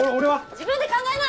自分で考えな！